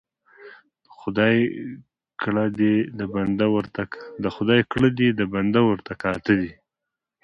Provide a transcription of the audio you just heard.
ـ د خداى کړه دي د بنده ورته کاته دي.